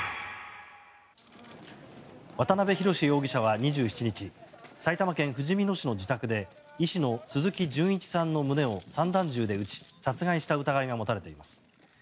渡辺宏容疑者は２７日埼玉県ふじみ野市の自宅で医師の鈴木純一さんの胸を散弾銃で撃ち殺害した疑いが持たれています。